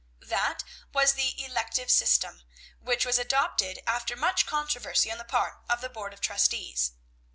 That was the elective system, which was adopted after much controversy on the part of the Board of Trustees.